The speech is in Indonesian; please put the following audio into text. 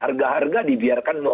harga harga dibiarkan mau dihukum